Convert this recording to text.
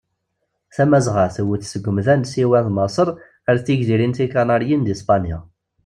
Tamazɣa tewwet seg umda n Siwa d Maseṛ ar d tigzirin tikaniriyin di Spanya.